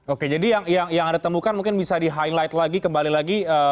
oke jadi yang anda temukan mungkin bisa di highlight lagi kembali lagi